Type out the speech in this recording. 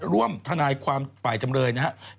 ทนายความฝ่ายจำเลยนะครับ